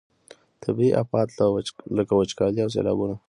طبیعي آفات لکه وچکالي او سیلابونه.